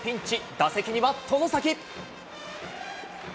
打席には外崎。